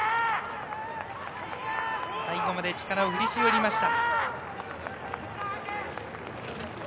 最後まで力を振り絞りました。